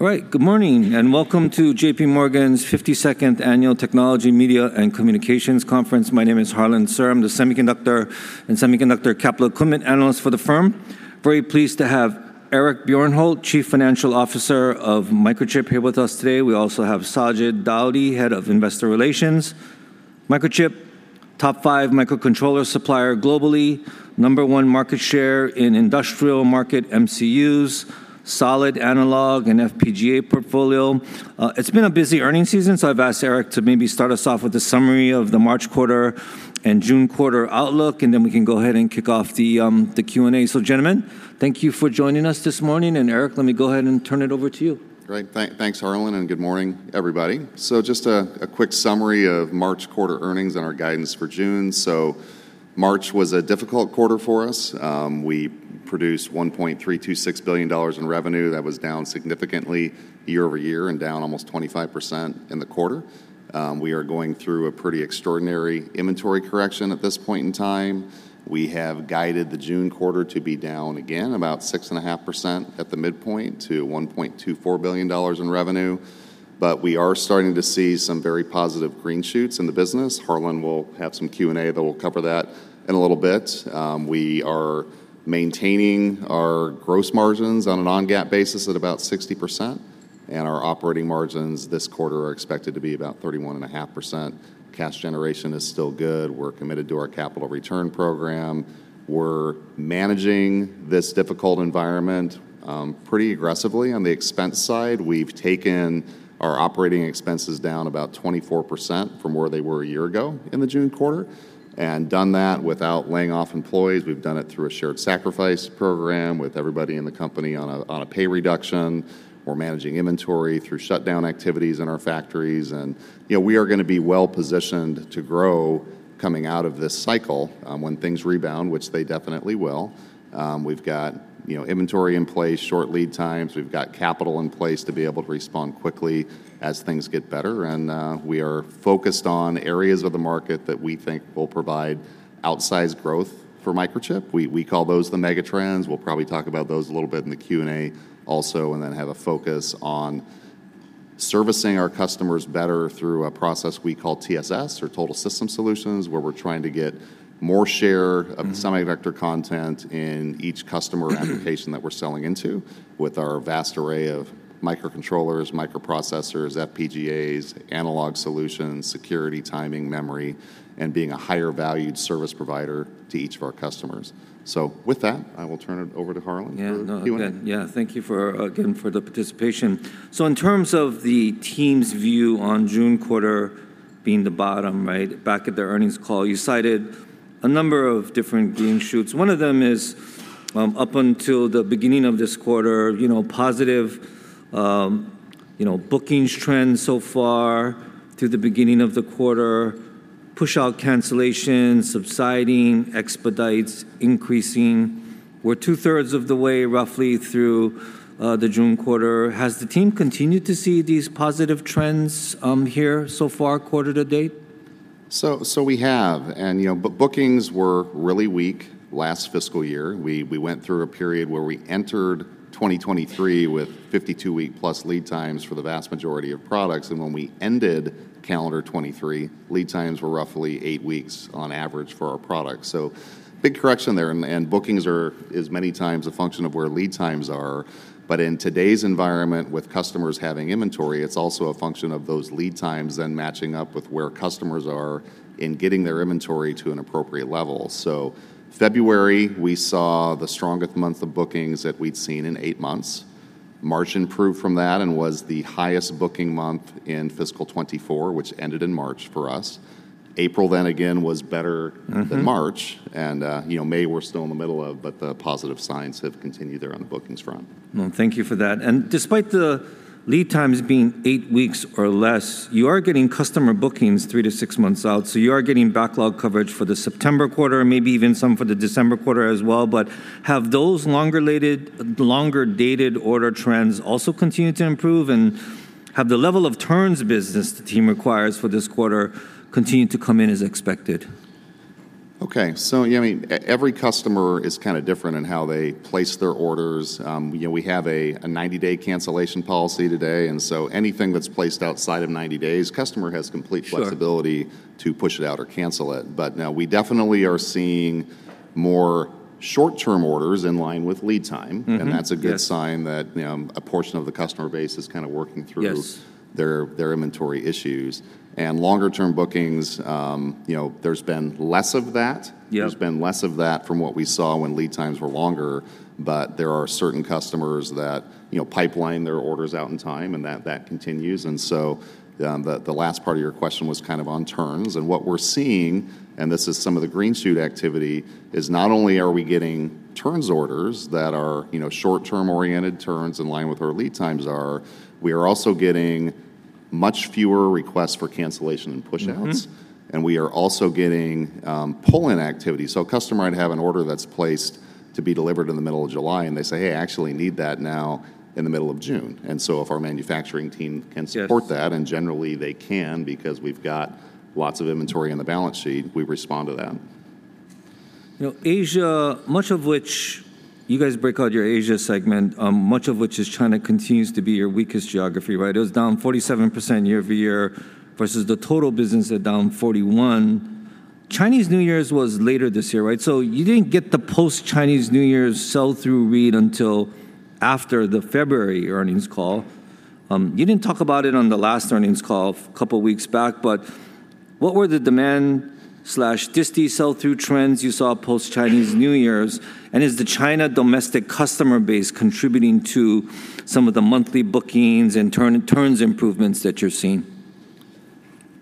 All right. Good morning, and welcome to J.P. Morgan's 52nd Annual Technology, Media, and Communications Conference. My name is Harlan Sur. I'm the semiconductor and semiconductor capital equipment analyst for the firm. Very pleased to have Eric Bjornholt, Chief Financial Officer of Microchip, here with us today. We also have Sajid Daudi, Head of Investor Relations. Microchip, top 5 microcontroller supplier globally, number 1 market share in industrial market MCUs, solid analog, and FPGA portfolio. It's been a busy earnings season, so I've asked Eric to maybe start us off with a summary of the March quarter and June quarter outlook, and then we can go ahead and kick off the Q&A. So, gentlemen, thank you for joining us this morning, and Eric, let me go ahead and turn it over to you. Great. Thanks, Harlan, and good morning, everybody. So just a quick summary of March quarter earnings and our guidance for June. So March was a difficult quarter for us. We produced $1.326 billion in revenue. That was down significantly year-over-year and down almost 25% in the quarter. We are going through a pretty extraordinary inventory correction at this point in time. We have guided the June quarter to be down again about 6.5% at the midpoint to $1.24 billion in revenue, but we are starting to see some very positive green shoots in the business. Harlan will have some Q&A that will cover that in a little bit. We are maintaining our gross margins on a Non-GAAP basis at about 60%, and our operating margins this quarter are expected to be about 31.5%. Cash generation is still good. We're committed to our capital return program. We're managing this difficult environment pretty aggressively. On the expense side, we've taken our operating expenses down about 24% from where they were a year ago in the June quarter and done that without laying off employees. We've done it through a shared sacrifice program with everybody in the company on a pay reduction. We're managing inventory through shutdown activities in our factories, and, you know, we are going to be well-positioned to grow coming out of this cycle when things rebound, which they definitely will. We've got, you know, inventory in place, short lead times. We've got capital in place to be able to respond quickly as things get better, and we are focused on areas of the market that we think will provide outsized growth for Microchip. We, we call those the Megatrends. We'll probably talk about those a little bit in the Q&A also, and then have a focus on servicing our customers better through a process we call TSS, or Total System Solutions, where we're trying to get more share of the semi vector content in each customer application that we're selling into with our vast array of microcontrollers, microprocessors, FPGAs, analog solutions, security, timing, memory, and being a higher valued service provider to each of our customers. So with that, I will turn it over to Harlan for Q&A. Yeah. Thank you for, again, for the participation. So in terms of the team's view on June quarter being the bottom, right? Back at the earnings call, you cited a number of different green shoots. One of them is, up until the beginning of this quarter, you know, positive, you know, bookings trends so far through the beginning of the quarter, push-out cancellations subsiding, expedites increasing. We're two-thirds of the way, roughly, through, the June quarter. Has the team continued to see these positive trends, here so far, quarter to date? So we have, you know, bookings were really weak last fiscal year. We went through a period where we entered 2023 with 52-week-plus lead times for the vast majority of products, and when we ended calendar 2023, lead times were roughly eight weeks on average for our products. So big correction there, and bookings are as many times a function of where lead times are. But in today's environment, with customers having inventory, it's also a function of those lead times then matching up with where customers are in getting their inventory to an appropriate level. So February, we saw the strongest month of bookings that we'd seen in eight months. March improved from that and was the highest booking month in fiscal 2024, which ended in March for us. April then again was better-... than March, and, you know, May, we're still in the middle of, but the positive signs have continued there on the bookings front. Well, thank you for that. Despite the lead times being eight weeks or less, you are getting customer bookings 3-6 months out, so you are getting backlog coverage for the September quarter and maybe even some for the December quarter as well. But have those longer-dated order trends also continued to improve, and have the level of turns business the team requires for this quarter continued to come in as expected? Okay. So, yeah, I mean, every customer is kind of different in how they place their orders. You know, we have a 90-day cancellation policy today, and so anything that's placed outside of 90 days, customer has complete flexibility- Sure ...to push it out or cancel it. But now we definitely are seeing more short-term orders in line with lead time- Mm-hmm. Yes... and that's a good sign that a portion of the customer base is kind of working through- Yes... their inventory issues. And longer-term bookings, you know, there's been less of that. Yeah. There's been less of that from what we saw when lead times were longer, but there are certain customers that, you know, pipeline their orders out in time, and that, that continues. And so, the last part of your question was kind of on turns. And what we're seeing, and this is some of the green shoot activity, is not only are we getting turns orders that are, you know, short-term oriented turns in line with our lead times, we are also getting much fewer requests for cancellation and pushouts. Mm-hmm. We are also getting pull-in activity. So a customer might have an order that's placed to be delivered in the middle of July, and they say: "Hey, I actually need that now in the middle of June." And so if our manufacturing team can support that- Yes... and generally they can because we've got lots of inventory on the balance sheet. We respond to that.... You know, Asia, much of which you guys break out your Asia segment, much of which is China continues to be your weakest geography, right? It was down 47% year-over-year versus the total business that down 41. Chinese New Year's was later this year, right? So you didn't get the post-Chinese New Year's sell-through read until after the February earnings call. You didn't talk about it on the last earnings call a couple of weeks back, but what were the demand/disti sell-through trends you saw post-Chinese New Year's? And is the China domestic customer base contributing to some of the monthly bookings and turns improvements that you're seeing?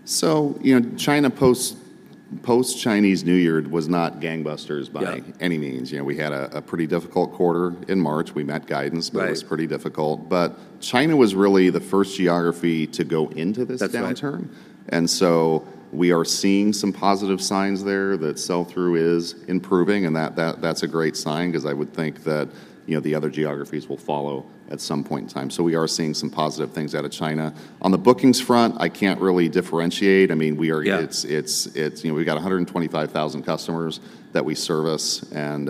So, you know, China post-Chinese New Year was not gangbusters. Yeah... by any means. You know, we had a pretty difficult quarter in March. We met guidance- Right... but it was pretty difficult. China was really the first geography to go into this downturn. That's right. And so we are seeing some positive signs there that sell-through is improving, and that that's a great sign because I would think that, you know, the other geographies will follow at some point in time. So we are seeing some positive things out of China. On the bookings front, I can't really differentiate. I mean, we are- Yeah... it's, you know, we've got 125,000 customers that we service, and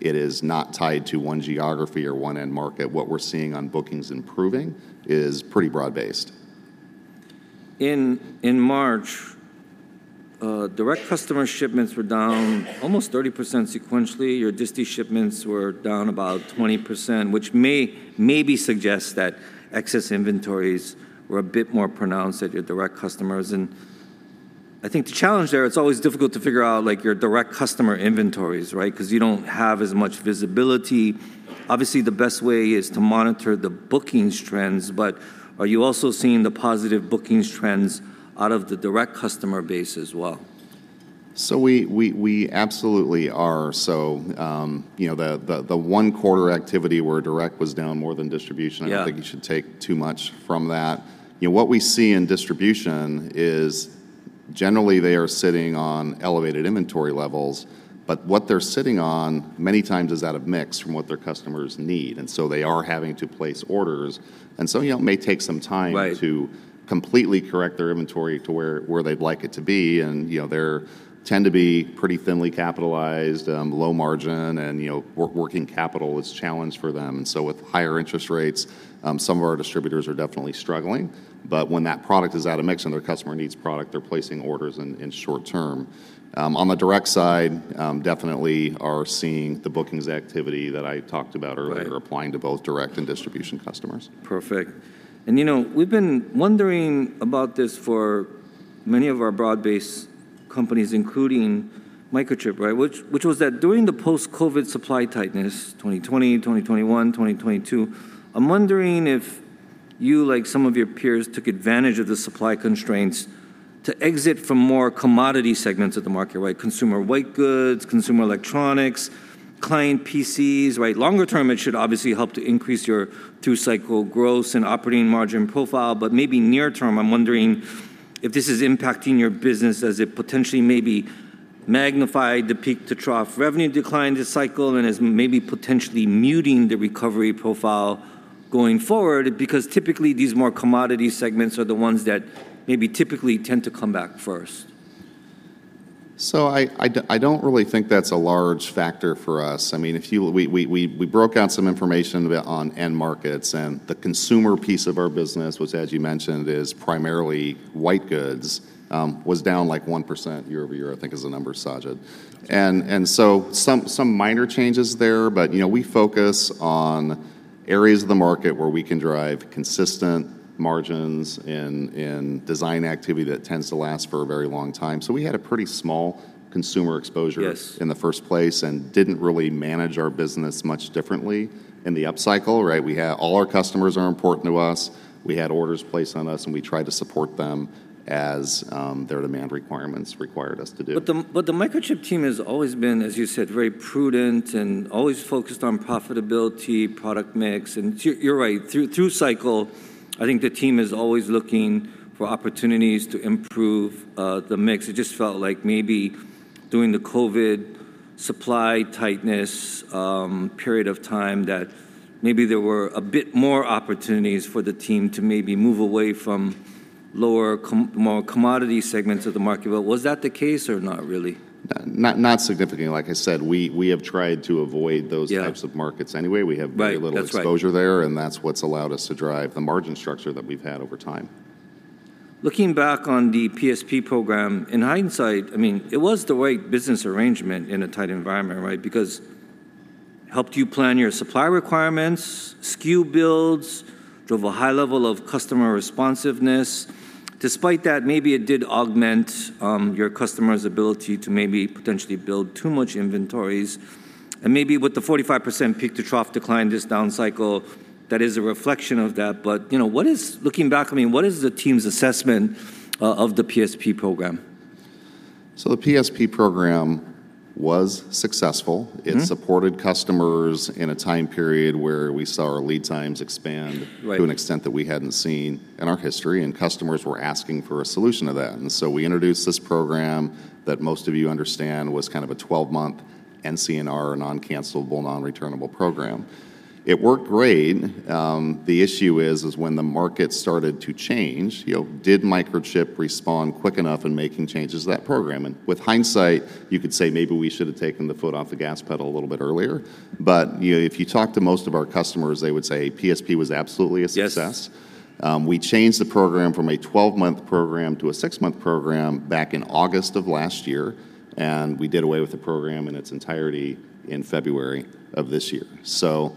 it is not tied to one geography or one end market. What we're seeing on bookings improving is pretty broad-based. In March, direct customer shipments were down almost 30% sequentially. Your disti shipments were down about 20%, which may suggest that excess inventories were a bit more pronounced at your direct customers. And I think the challenge there, it's always difficult to figure out, like, your direct customer inventories, right? 'Cause you don't have as much visibility. Obviously, the best way is to monitor the bookings trends, but are you also seeing the positive bookings trends out of the direct customer base as well? So we absolutely are. So, you know, the one quarter activity where direct was down more than distribution- Yeah... I don't think you should take too much from that. You know, what we see in distribution is generally they are sitting on elevated inventory levels, but what they're sitting on many times is out of mix from what their customers need, and so they are having to place orders. Some, you know, may take some time- Right... to completely correct their inventory to where they'd like it to be. And, you know, they're tend to be pretty thinly capitalized, low margin, and, you know, working capital is a challenge for them. And so with higher interest rates, some of our distributors are definitely struggling, but when that product is out of mix and their customer needs product, they're placing orders in short term. On the direct side, definitely are seeing the bookings activity that I talked about earlier- Right... applying to both direct and distribution customers. Perfect. And, you know, we've been wondering about this for many of our broad-based companies, including Microchip, right? Which, which was that during the post-COVID supply tightness, 2020, 2021, 2022, I'm wondering if you, like some of your peers, took advantage of the supply constraints to exit from more commodity segments of the market, right? Consumer white goods, consumer electronics, client PCs, right. Longer term, it should obviously help to increase your through-cycle growth and operating margin profile, but maybe near term, I'm wondering if this is impacting your business as it potentially maybe magnified the peak-to-trough revenue decline this cycle and is maybe potentially muting the recovery profile going forward, because typically these more commodity segments are the ones that maybe typically tend to come back first. So I don't really think that's a large factor for us. I mean, if we broke out some information about on end markets, and the consumer piece of our business, which, as you mentioned, is primarily white goods, was down, like, 1% year-over-year, I think is the number, Sajid. And so some minor changes there, but, you know, we focus on areas of the market where we can drive consistent margins and design activity that tends to last for a very long time. So we had a pretty small consumer exposure- Yes... in the first place and didn't really manage our business much differently in the upcycle, right? All our customers are important to us. We had orders placed on us, and we tried to support them as, their demand requirements required us to do. But the Microchip team has always been, as you said, very prudent and always focused on profitability, product mix. And you're right, through cycle, I think the team is always looking for opportunities to improve the mix. It just felt like maybe during the COVID supply tightness period of time, that maybe there were a bit more opportunities for the team to maybe move away from lower, more commodity segments of the market. But was that the case or not really? Not significantly. Like I said, we have tried to avoid those- Yeah... types of markets anyway. Right. We have very little exposure there- That's right... and that's what's allowed us to drive the margin structure that we've had over time. Looking back on the PSP program, in hindsight, I mean, it was the right business arrangement in a tight environment, right? Because it helped you plan your supply requirements, SKU builds, drove a high level of customer responsiveness. Despite that, maybe it did augment your customer's ability to maybe potentially build too much inventories. And maybe with the 45% peak-to-trough decline this down cycle, that is a reflection of that. But, you know, what is-- looking back, I mean, what is the team's assessment of the PSP program? The PSP program was successful. It supported customers in a time period where we saw our lead times expand- Right... to an extent that we hadn't seen in our history, and customers were asking for a solution to that. And so we introduced this program that most of you understand was kind of a 12-month-... NCNR, a non-cancellable, non-returnable program. It worked great. The issue is when the market started to change, you know, did Microchip respond quick enough in making changes to that program? And with hindsight, you could say maybe we should have taken the foot off the gas pedal a little bit earlier. But, you know, if you talk to most of our customers, they would say PSP was absolutely a success. Yes. We changed the program from a 12-month program to a six month program back in August of last year, and we did away with the program in its entirety in February of this year. So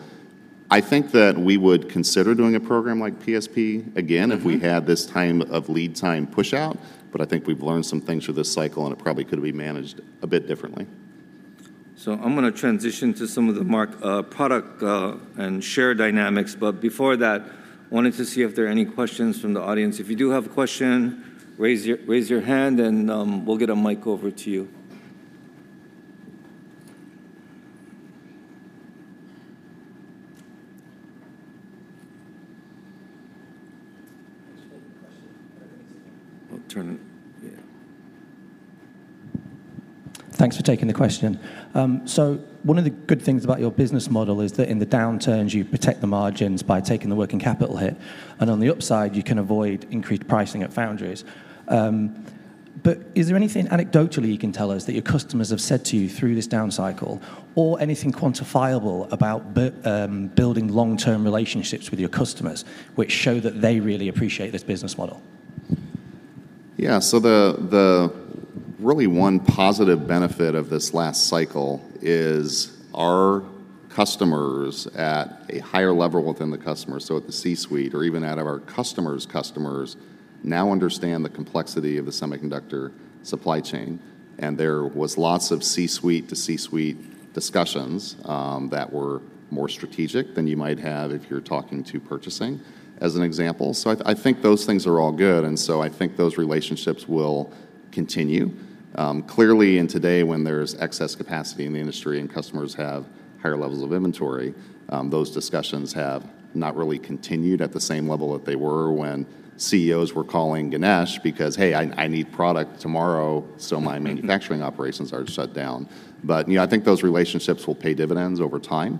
I think that we would consider doing a program like PSP again. If we had this time of lead time pushout, but I think we've learned some things through this cycle, and it probably could have been managed a bit differently. So I'm gonna transition to some of the mark, product, and share dynamics. But before that, wanted to see if there are any questions from the audience. If you do have a question, raise your, raise your hand and, we'll get a mic over to you. Thanks for taking the question. Well, turn it. Yeah. Thanks for taking the question. So one of the good things about your business model is that in the downturns, you protect the margins by taking the working capital hit, and on the upside, you can avoid increased pricing at foundries. But is there anything anecdotally you can tell us that your customers have said to you through this down cycle or anything quantifiable about building long-term relationships with your customers, which show that they really appreciate this business model? Yeah. So the really one positive benefit of this last cycle is our customers at a higher level within the customer, so at the C-suite or even out of our customers' customers, now understand the complexity of the semiconductor supply chain, and there was lots of C-suite to C-suite discussions that were more strategic than you might have if you're talking to purchasing, as an example. So I think those things are all good, and so I think those relationships will continue. Clearly, today, when there's excess capacity in the industry and customers have higher levels of inventory, those discussions have not really continued at the same level that they were when CEOs were calling Ganesh because, "Hey, I need product tomorrow, so my manufacturing operations are shut down." But, you know, I think those relationships will pay dividends over time.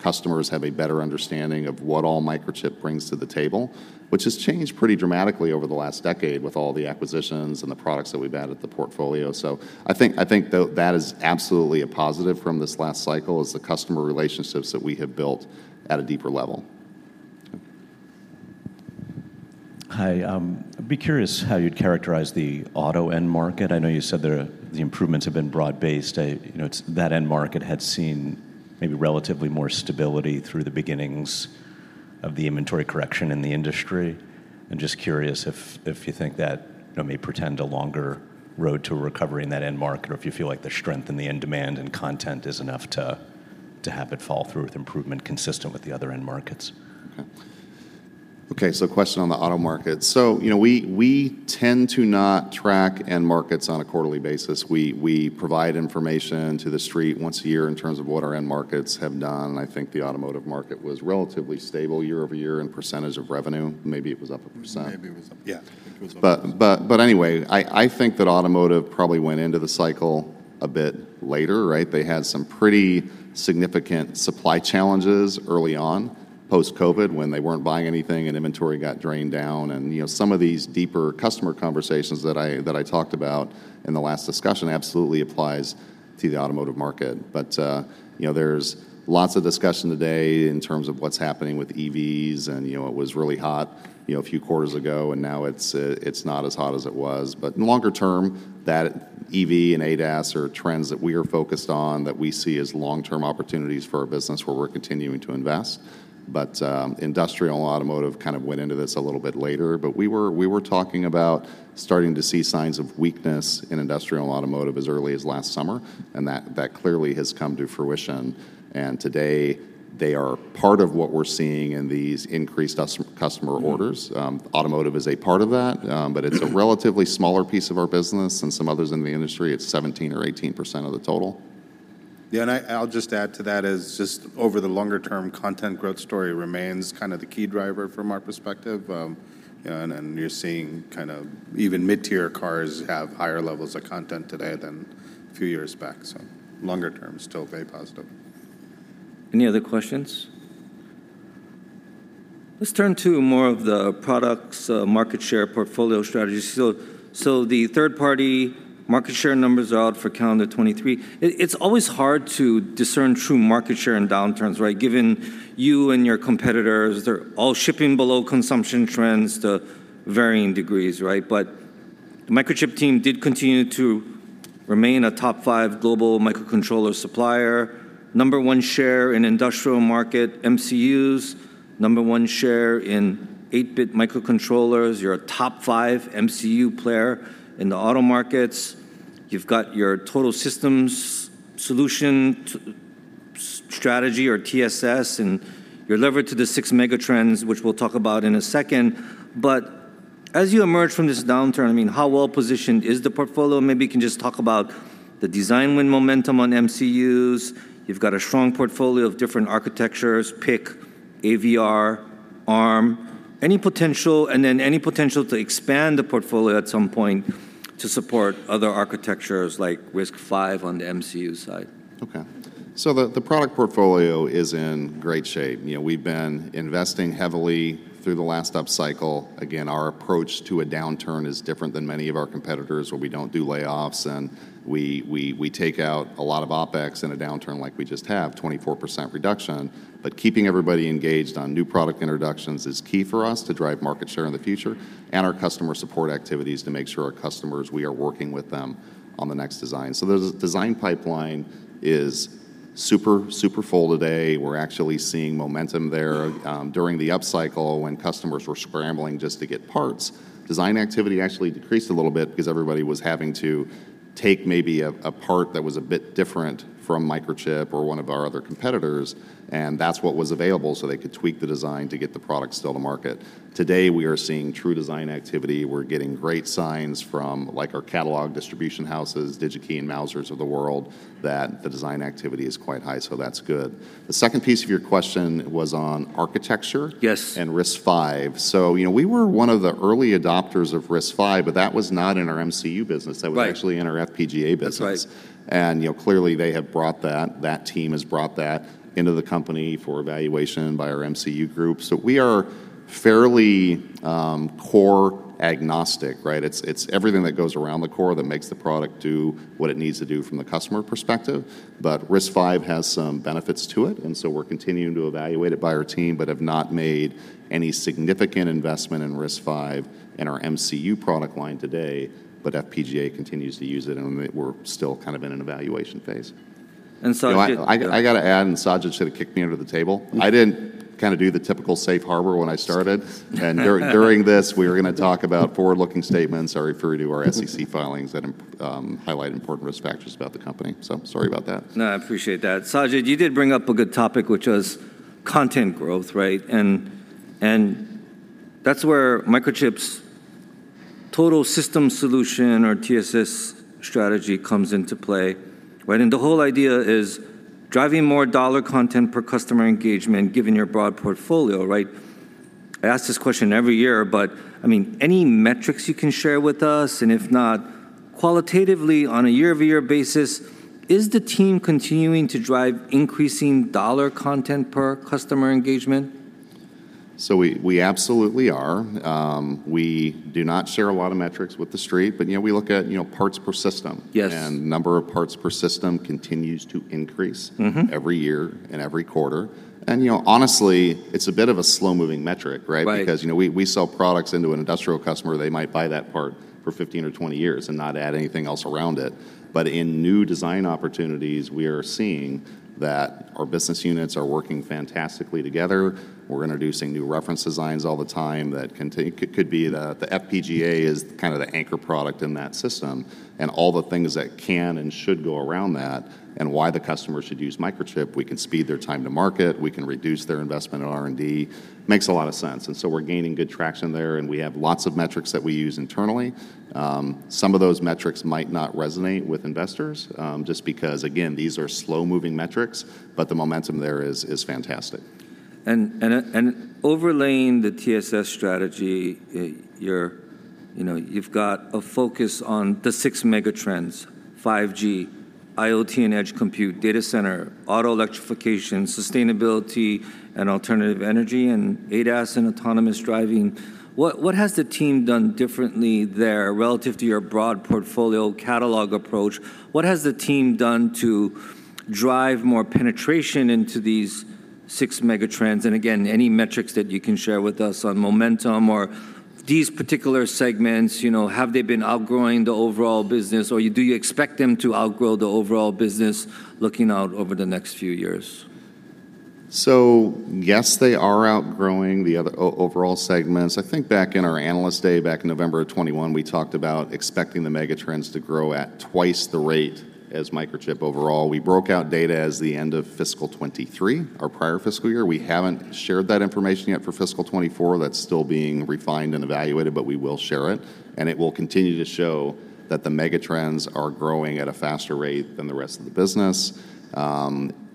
Customers have a better understanding of what all Microchip brings to the table, which has changed pretty dramatically over the last decade with all the acquisitions and the products that we've added to the portfolio. So I think that is absolutely a positive from this last cycle, is the customer relationships that we have built at a deeper level. Hi. I'd be curious how you'd characterize the auto end market. I know you said there are the improvements have been broad-based. You know, it's that end market had seen maybe relatively more stability through the beginnings of the inventory correction in the industry. I'm just curious if, if you think that may portend a longer road to recovery in that end market, or if you feel like the strength in the end demand and content is enough to, to have it fall through with improvement consistent with the other end markets. Okay. Okay, so question on the auto market. So, you know, we tend to not track end markets on a quarterly basis. We provide information to the street once a year in terms of what our end markets have done, and I think the automotive market was relatively stable year-over-year in percentage of revenue. Maybe it was up 1%. Maybe it was up. Yeah. I think it was up. But anyway, I think that automotive probably went into the cycle a bit later, right? They had some pretty significant supply challenges early on, post-COVID, when they weren't buying anything and inventory got drained down. And, you know, some of these deeper customer conversations that I talked about in the last discussion absolutely applies to the automotive market. But, you know, there's lots of discussion today in terms of what's happening with EVs and, you know, it was really hot, you know, a few quarters ago, and now it's not as hot as it was. But in the longer term, that EV and ADAS are trends that we are focused on, that we see as long-term opportunities for our business, where we're continuing to invest. But, industrial and automotive kind of went into this a little bit later. But we were talking about starting to see signs of weakness in industrial and automotive as early as last summer, and that clearly has come to fruition, and today they are part of what we're seeing in these increased customer orders. Automotive is a part of that, but it's a relatively smaller piece of our business than some others in the industry. It's 17%-18% of the total. Yeah, and I'll just add to that, is just over the longer term, content growth story remains kind of the key driver from our perspective, and you're seeing kind of even mid-tier cars have higher levels of content today than a few years back. So longer term, still very positive. Any other questions? Let's turn to more of the products, market share, portfolio strategy. So, the third-party market share numbers are out for calendar 2023. It's always hard to discern true market share in downturns, right? Given you and your competitors are all shipping below consumption trends to varying degrees, right? But the Microchip team did continue to remain a top five global microcontroller supplier, number one share in industrial market MCUs, number one share in eight-bit microcontrollers. You're a top five MCU player in the auto markets. You've got your total systems solution to-- strategy, or TSS, and you're levered to the six Megatrends, which we'll talk about in a second. But as you emerge from this downturn, I mean, how well-positioned is the portfolio? Maybe you can just talk about the design win momentum on MCUs. You've got a strong portfolio of different architectures, PIC, AVR-... ARM, any potential, and then any potential to expand the portfolio at some point to support other architectures like RISC-V on the MCU side? Okay. The product portfolio is in great shape. You know, we've been investing heavily through the last upcycle. Again, our approach to a downturn is different than many of our competitors, where we don't do layoffs, and we take out a lot of OpEx in a downturn like we just have, 24% reduction. But keeping everybody engaged on new product introductions is key for us to drive market share in the future, and our customer support activities to make sure our customers, we are working with them on the next design. So the design pipeline is super, super full today. We're actually seeing momentum there. During the upcycle, when customers were scrambling just to get parts, design activity actually decreased a little bit because everybody was having to take maybe a, a part that was a bit different from Microchip or one of our other competitors, and that's what was available, so they could tweak the design to get the product still to market. Today, we are seeing true design activity. We're getting great signs from, like, our catalog distribution houses, Digi-Key and Mouser of the world, that the design activity is quite high, so that's good. The second piece of your question was on architecture- Yes... and RISC-V. So, you know, we were one of the early adopters of RISC-V, but that was not in our MCU business. Right. That was actually in our FPGA business. Right. You know, clearly, that team has brought that into the company for evaluation by our MCU group. So we are fairly core agnostic, right? It's everything that goes around the core that makes the product do what it needs to do from the customer perspective. But RISC-V has some benefits to it, and so we're continuing to evaluate it by our team, but have not made any significant investment in RISC-V in our MCU product line today, but FPGA continues to use it, and we're still kind of in an evaluation phase. And Sajid- You know, I, I gotta add, and Sajid should have kicked me under the table. I didn't kind of do the typical safe harbor when I started, and during this, we are gonna talk about forward-looking statements or refer you to our SEC filings that highlight important risk factors about the company. So sorry about that. No, I appreciate that. Sajid, you did bring up a good topic, which was content growth, right? And that's where Microchip's total system solution, or TSS strategy, comes into play, right? And the whole idea is driving more dollar content per customer engagement, given your broad portfolio, right? I ask this question every year, but, I mean, any metrics you can share with us? And if not, qualitatively, on a year-over-year basis, is the team continuing to drive increasing dollar content per customer engagement? So we absolutely are. We do not share a lot of metrics with the street, but, you know, we look at, you know, parts per system. Yes. Number of parts per system continues to increase-... every year and every quarter. You know, honestly, it's a bit of a slow-moving metric, right? Right. Because, you know, we sell products into an industrial customer. They might buy that part for 15 or 20 years and not add anything else around it. But in new design opportunities, we are seeing that our business units are working fantastically together. We're introducing new reference designs all the time that can take, it could be the FPGA is kind of the anchor product in that system, and all the things that can and should go around that, and why the customer should use Microchip. We can speed their time to market, we can reduce their investment in R&D. Makes a lot of sense, and so we're gaining good traction there, and we have lots of metrics that we use internally. Some of those metrics might not resonate with investors, just because, again, these are slow-moving metrics, but the momentum there is fantastic. Overlaying the TSS strategy, you know, you've got a focus on the six Megatrends: 5G, IoT and edge compute, data center, auto electrification, sustainability and alternative energy, and ADAS and autonomous driving. What has the team done differently there relative to your broad portfolio catalog approach? What has the team done to drive more penetration into these six Megatrends? And again, any metrics that you can share with us on momentum or these particular segments, you know, have they been outgrowing the overall business, or do you expect them to outgrow the overall business looking out over the next few years? So yes, they are outgrowing the other overall segments. I think back in our Analyst Day, back in November of 2021, we talked about expecting the Megatrends to grow at twice the rate as Microchip overall. We broke out data at the end of fiscal 2023, our prior fiscal year. We haven't shared that information yet for fiscal 2024. That's still being refined and evaluated, but we will share it, and it will continue to show that the Megatrends are growing at a faster rate than the rest of the business.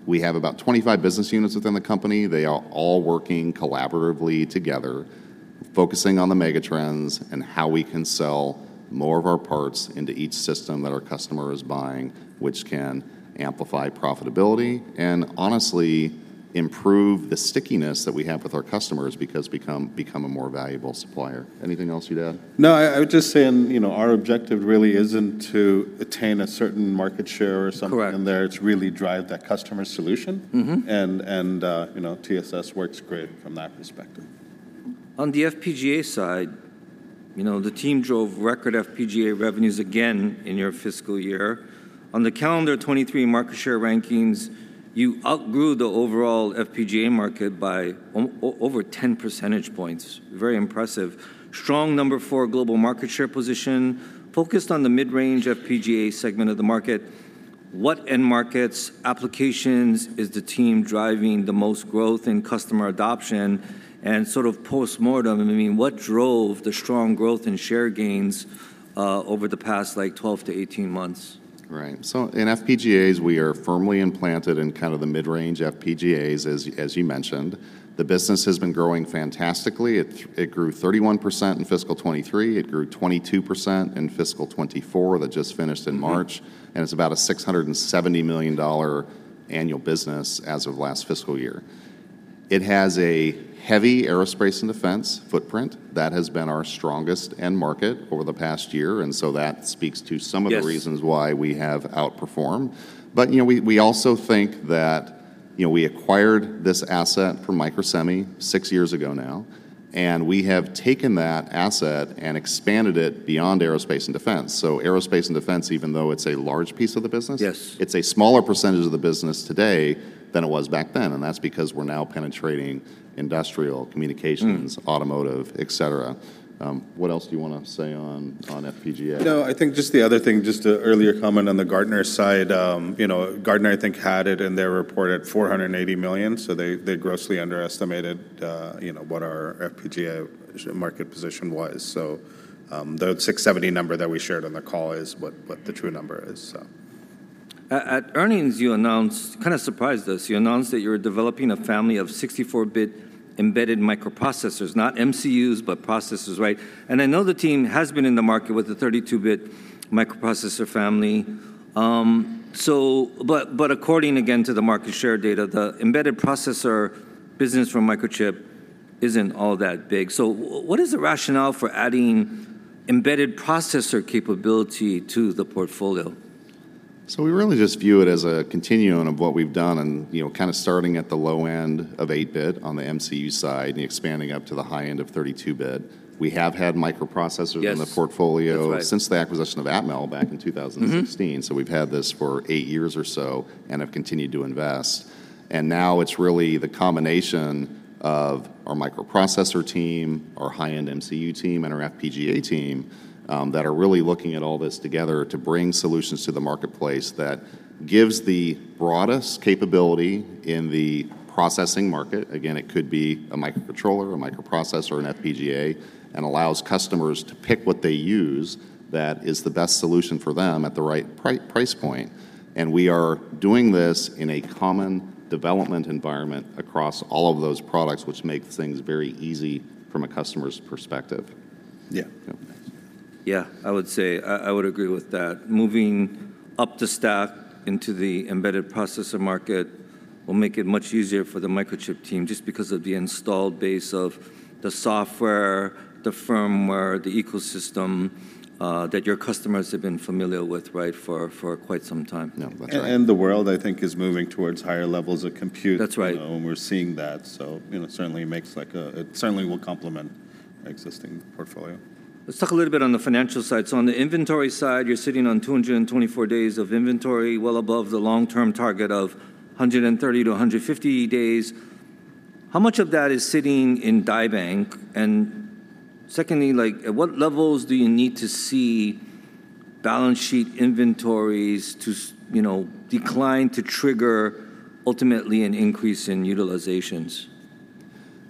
We have about 25 business units within the company. They are all working collaboratively together, focusing on the Megatrends and how we can sell more of our parts into each system that our customer is buying, which can amplify profitability, and honestly, improve the stickiness that we have with our customers because become a more valuable supplier. Anything else you'd add? No, I would just say, you know, our objective really isn't to attain a certain market share or something- Correct... in there. It's really drive that customer solution. You know, TSS works great from that perspective. On the FPGA side, you know, the team drove record FPGA revenues again in your fiscal year. On the calendar 2023 market share rankings, you outgrew the overall FPGA market by over 10 percentage points. Very impressive. Strong number four global market share position, focused on the mid-range FPGA segment of the market... what end markets, applications is the team driving the most growth in customer adoption? And sort of postmortem, I mean, what drove the strong growth in share gains, over the past, like, 12-18 months? Right. So in FPGAs, we are firmly implanted in kind of the mid-range FPGAs, as, as you mentioned. The business has been growing fantastically. It, it grew 31% in fiscal 2023. It grew 22% in fiscal 2024, that just finished in March- It's about a $670 million annual business as of last fiscal year. It has a heavy aerospace and defense footprint. That has been our strongest end market over the past year, and so that speaks to some of- Yes the reasons why we have outperformed. But, you know, we also think that, you know, we acquired this asset from Microsemi six years ago now, and we have taken that asset and expanded it beyond aerospace and defense. So aerospace and defense, even though it's a large piece of the business. Yes It's a smaller percentage of the business today than it was back then, and that's because we're now penetrating industrial communications-... automotive, et cetera. What else do you want to say on FPGA? No, I think just the other thing, just an earlier comment on the Gartner side, you know, Gartner, I think, had it in their report at $480 million, so they grossly underestimated, you know, what our FPGA market position was. So, the $670 million number that we shared on the call is what the true number is, so. At earnings, you announced—kind of surprised us—you announced that you were developing a family of 64-bit embedded microprocessors, not MCUs, but processors, right? And I know the team has been in the market with a 32-bit microprocessor family. But according again to the market share data, the embedded processor business from Microchip isn't all that big. So what is the rationale for adding embedded processor capability to the portfolio? So we really just view it as a continuum of what we've done and, you know, kind of starting at the low end of 8-bit on the MCU side and expanding up to the high end of 32-bit. We have had microprocessors- Yes in the portfolio That's right... since the acquisition of Atmel back in 2016. Mm-hmm. We've had this for eight years or so and have continued to invest. Now it's really the combination of our microprocessor team, our high-end MCU team, and our FPGA team, that are really looking at all this together to bring solutions to the marketplace that gives the broadest capability in the processing market. Again, it could be a microcontroller, a microprocessor, an FPGA, and allows customers to pick what they use that is the best solution for them at the right price point. We are doing this in a common development environment across all of those products, which makes things very easy from a customer's perspective. Yeah. Yeah. Yeah, I would say, I would agree with that. Moving up the stack into the embedded processor market will make it much easier for the Microchip team, just because of the installed base of the software, the firmware, the ecosystem, that your customers have been familiar with, right, for quite some time. Yeah, that's right. And the world, I think, is moving towards higher levels of compute- That's right And we're seeing that, so, you know, it certainly will complement existing portfolio. Let's talk a little bit on the financial side. So on the inventory side, you're sitting on 224 days of inventory, well above the long-term target of 130-150 days. How much of that is sitting in die bank? And secondly, like, at what levels do you need to see balance sheet inventories to you know, decline to trigger ultimately an increase in utilizations?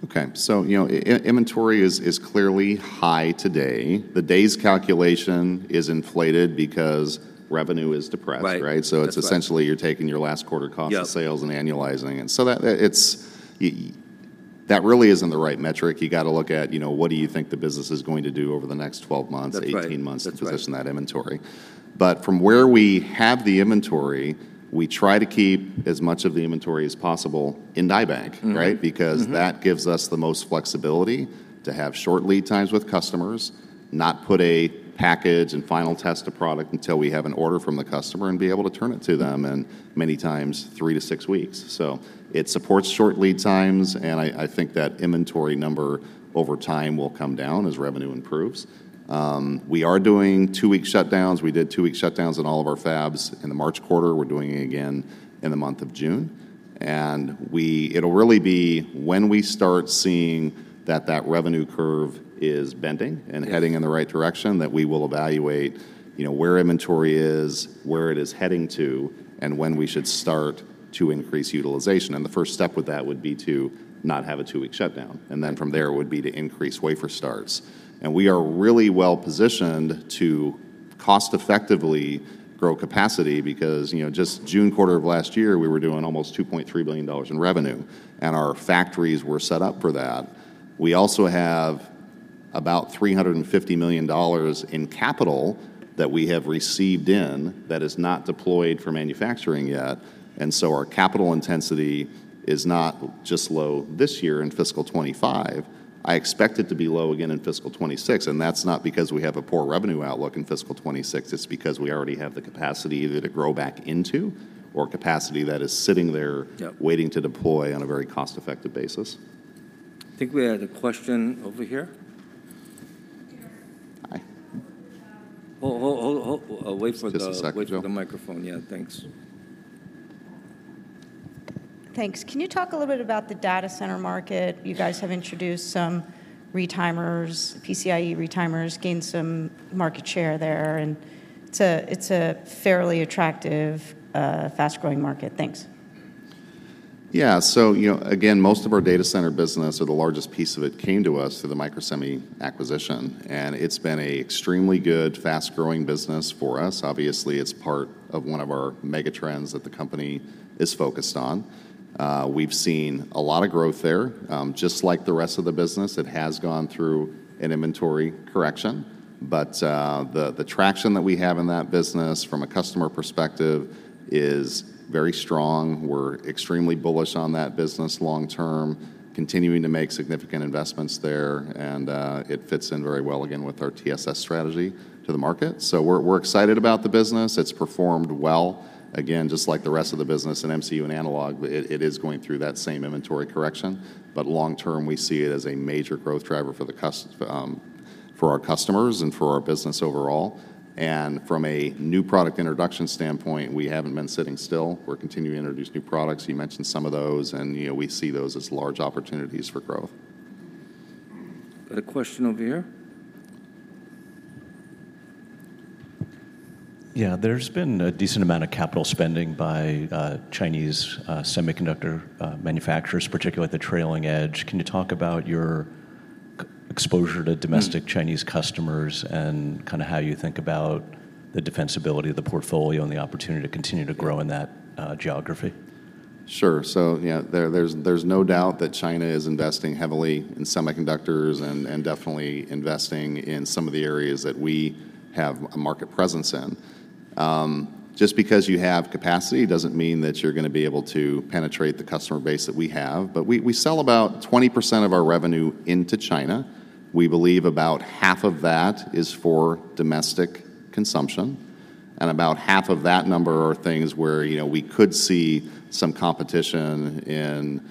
Okay. So, you know, inventory is clearly high today. The days calculation is inflated because revenue is depressed- Right... right? That's right. So it's essentially you're taking your last quarter cost- Yeah - of sales and annualizing it. So that, it's, that really isn't the right metric. You've got to look at, you know, what do you think the business is going to do over the next 12 months- That's right... 18 months- That's right... to position that inventory. But from where we have the inventory, we try to keep as much of the inventory as possible in die bank, right? Because that gives us the most flexibility to have short lead times with customers, not put a package and final test a product until we have an order from the customer and be able to turn it to them in many times, 3-6 weeks. So it supports short lead times, and I, I think that inventory number over time will come down as revenue improves. We are doing two-week shutdowns. We did two-week shutdowns in all of our fabs in the March quarter. We're doing it again in the month of June. And we—it'll really be when we start seeing that that revenue curve is bending- Yes... and heading in the right direction, that we will evaluate, you know, where inventory is, where it is heading to, and when we should start to increase utilization. And the first step with that would be to not have a two-week shutdown, and then from there, it would be to increase wafer starts. And we are really well positioned to cost-effectively grow capacity because, you know, just June quarter of last year, we were doing almost $2.3 billion in revenue, and our factories were set up for that. We also have about $350 million in capital that we have received in, that is not deployed for manufacturing yet, and so our capital intensity is not just low this year in fiscal 2025. I expect it to be low again in fiscal 2026, and that's not because we have a poor revenue outlook in fiscal 2026. It's because we already have the capacity either to grow back into or capacity that is sitting there- Yeah... waiting to deploy on a very cost-effective basis. I think we had a question over here. Hi. Wait for the- Just a second, Joe.... wait for the microphone. Yeah, thanks. ... Thanks. Can you talk a little bit about the data center market? You guys have introduced some retimers, PCIe retimers, gained some market share there, and it's a, it's a fairly attractive, fast-growing market. Thanks. Yeah, so, you know, again, most of our data center business, or the largest piece of it, came to us through the Microsemi acquisition, and it's been a extremely good, fast-growing business for us. Obviously, it's part of one of our Megatrends that the company is focused on. We've seen a lot of growth there. Just like the rest of the business, it has gone through an inventory correction, but the traction that we have in that business from a customer perspective is very strong. We're extremely bullish on that business long term, continuing to make significant investments there, and it fits in very well, again, with our TSS strategy to the market. So we're excited about the business. It's performed well. Again, just like the rest of the business in MCU and analog, it is going through that same inventory correction, but long term, we see it as a major growth driver for the customers and for our business overall. And from a new product introduction standpoint, we haven't been sitting still. We're continuing to introduce new products. You mentioned some of those, and, you know, we see those as large opportunities for growth. Got a question over here? Yeah, there's been a decent amount of capital spending by Chinese semiconductor manufacturers, particularly at the trailing edge. Can you talk about your exposure to domestic-... Chinese customers and kinda how you think about the defensibility of the portfolio and the opportunity to continue to grow in that, geography? Sure. So, you know, there's no doubt that China is investing heavily in semiconductors and definitely investing in some of the areas that we have a market presence in. Just because you have capacity doesn't mean that you're gonna be able to penetrate the customer base that we have. But we sell about 20% of our revenue into China. We believe about half of that is for domestic consumption, and about half of that number are things where, you know, we could see some competition in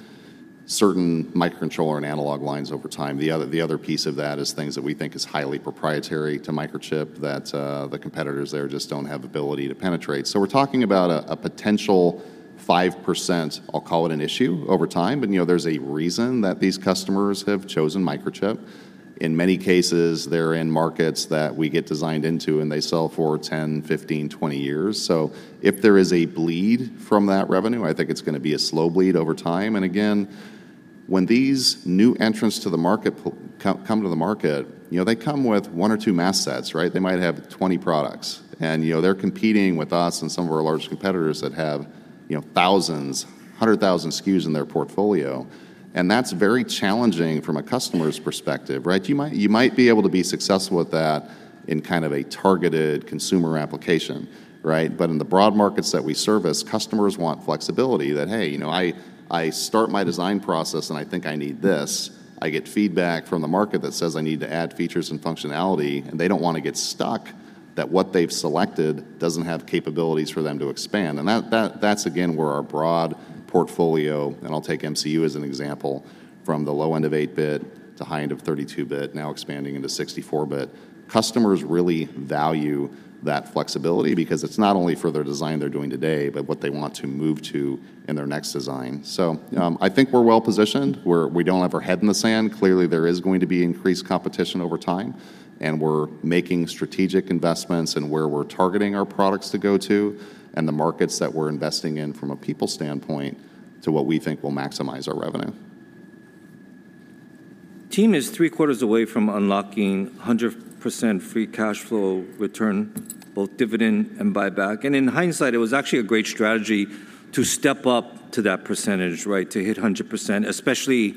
certain microcontroller and analog lines over time. The other piece of that is things that we think is highly proprietary to Microchip, that the competitors there just don't have ability to penetrate. So we're talking about a potential 5%, I'll call it, an issue over time, but, you know, there's a reason that these customers have chosen Microchip. In many cases, they're in markets that we get designed into, and they sell for 10, 15, 20 years. So if there is a bleed from that revenue, I think it's gonna be a slow bleed over time. And again, when these new entrants to the market come to the market, you know, they come with one or two mask sets, right? They might have 20 products, and, you know, they're competing with us and some of our large competitors that have, you know, thousands, 100,000 SKUs in their portfolio, and that's very challenging from a customer's perspective, right? You might be able to be successful at that in kind of a targeted consumer application, right? But in the broad markets that we service, customers want flexibility that, "Hey, you know, I start my design process, and I think I need this. I get feedback from the market that says I need to add features and functionality," and they don't wanna get stuck, that what they've selected doesn't have capabilities for them to expand. And that's, again, where our broad portfolio, and I'll take MCU as an example, from the low end of 8-bit to high end of 32-bit, now expanding into 64-bit. Customers really value that flexibility because it's not only for their design they're doing today, but what they want to move to in their next design. So, I think we're well positioned. We don't have our head in the sand. Clearly, there is going to be increased competition over time, and we're making strategic investments in where we're targeting our products to go to and the markets that we're investing in from a people standpoint to what we think will maximize our revenue. Team is three quarters away from unlocking a 100% free cash flow return, both dividend and buyback. And in hindsight, it was actually a great strategy to step up to that percentage, right, to hit a 100%, especially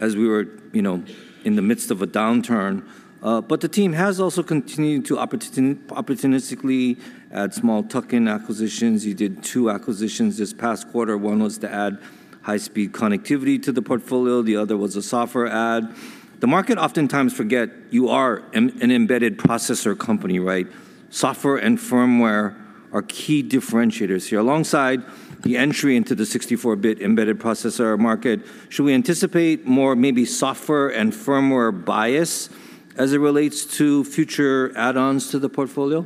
as we were, you know, in the midst of a downturn. But the team has also continued to opportunistically add small tuck-in acquisitions. You did two acquisitions this past quarter. One was to add high-speed connectivity to the portfolio, the other was a software add. The market oftentimes forget you are an embedded processor company, right? Software and firmware are key differentiators here. Alongside the entry into the 64-bit embedded processor market, should we anticipate more maybe software and firmware bias as it relates to future add-ons to the portfolio?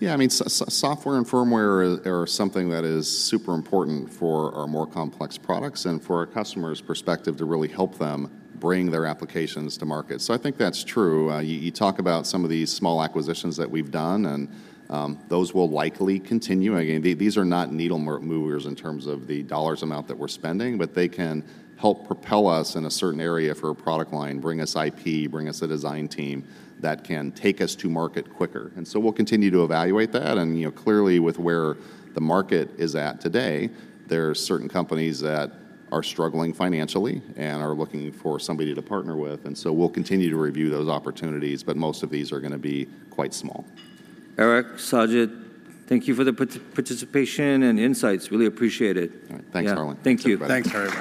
Yeah, I mean, software and firmware are something that is super important for our more complex products and for our customers' perspective to really help them bring their applications to market, so I think that's true. You talk about some of these small acquisitions that we've done, and those will likely continue. Again, these are not needle movers in terms of the dollars amount that we're spending, but they can help propel us in a certain area for a product line, bring us IP, bring us a design team that can take us to market quicker, and so we'll continue to evaluate that. You know, clearly, with where the market is at today, there are certain companies that are struggling financially and are looking for somebody to partner with, and so we'll continue to review those opportunities, but most of these are gonna be quite small. Eric, Sajid, thank you for the participation and insights. Really appreciate it. All right. Thanks, Harlan. Thank you. Thanks, everybody.